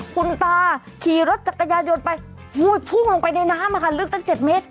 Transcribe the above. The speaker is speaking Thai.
คุณตาขี่รถจักรยานยนต์ไปพุ่งลงไปในน้ำลึกตั้ง๗เมตร